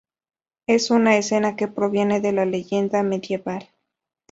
Es una escena que proviene de la leyenda medieval.